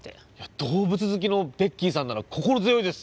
動物好きのベッキーさんなら心強いです。